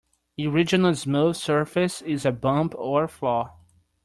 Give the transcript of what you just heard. A ridge on a smooth surface is a bump or flaw.